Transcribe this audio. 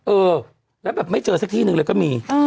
เออแล้วแบบไม่เจอสักที่นึงเลยก็มี